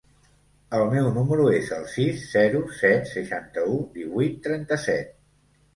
El meu número es el sis, zero, set, seixanta-u, divuit, trenta-set.